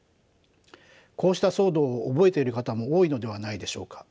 こうした騒動を覚えている方も多いのではないでしょうか？